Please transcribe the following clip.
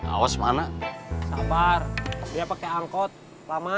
awas mana kabar dia pakai angkot lama